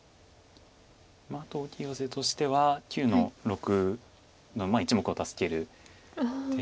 あと大きいヨセとしては９の六の１目を助ける手。